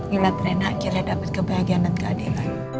ulat rena akhirnya dapat kebahagiaan dan keadilan